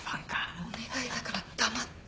お願いだから黙って。